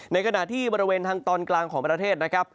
ในขณะที่บริเวณทางตอนกลางของประเทศนะครับ